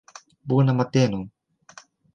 Bonan matenon.